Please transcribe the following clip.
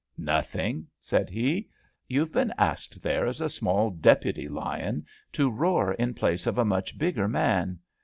Nothing," said he. You've been asked there as a small deputy lion to roar in place of a much bigger man.